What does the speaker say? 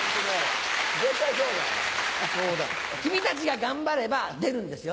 君たちが頑張れば出るんですよ。